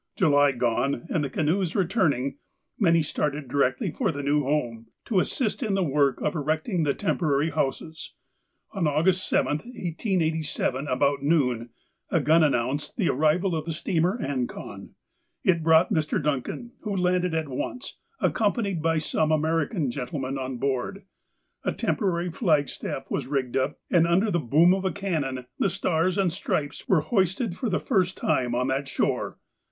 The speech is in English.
July gone, and the canoes returning, many started directly for the new home, to assist in the work of erect ing the temporary houses. On August 7, 1887, about noon, a gun announced the arrival of the steamer Ancon. It brought Mr. Duncan, who landed at once, accom panied by some American gentlemen on board. A temporary flagstaff was rigged up, and, under the boom of cannon, the stars and stripes were hoisted for the first time on that shore.